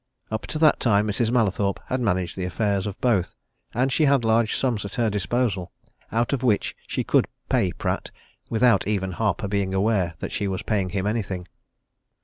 Up to that time Mrs. Mallathorpe had managed the affairs of both, and she had large sums at her disposal, out of which she could pay Pratt without even Harper being aware that she was paying him anything.